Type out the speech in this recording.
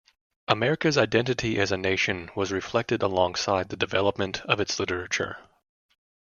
America's identity as a nation was reflected alongside the development of its literature.